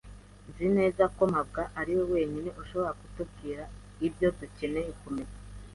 Nzi neza ko mabwa ariwe wenyine ushobora kutubwira ibyo dukeneye kumenya.